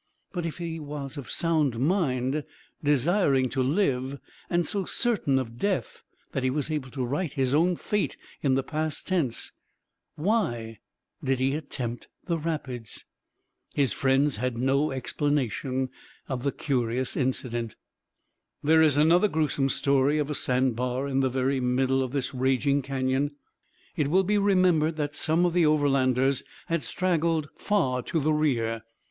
But if he was of sound mind, desiring to live, and so certain of death that he was able to write his own fate in the past tense, why did he attempt the rapids? His friends had no explanation of the curious incident. There is another gruesome story of a sand bar in the very middle of this raging canyon. It will be remembered that some of the Overlanders had straggled far to the rear.